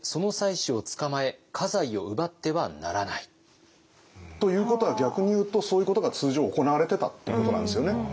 あとということは逆に言うとそういうことが通常行われてたってことなんですよね。